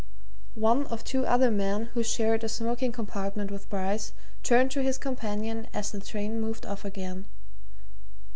One of two other men who shared a smoking compartment with Bryce turned to his companion as the train moved off again.